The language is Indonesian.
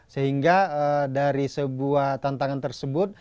sehingga dari sebuah tantangan tersebut